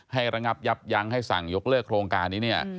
ระงับยับยั้งให้สั่งยกเลิกโครงการนี้เนี่ย